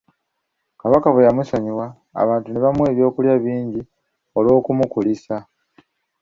Kabaka bwe yamusonyiwa, abantu ne bamuwa ebyokulya bingi olw’okumukulisa.